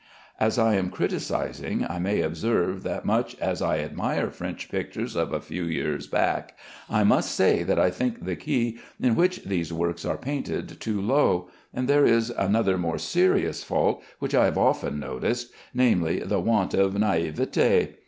As I am criticising, I may observe that much as I admire French pictures of a few years back, I must say that I think the key in which these works are painted too low; and there is another more serious fault which I have often noticed; namely, the want of naïveté.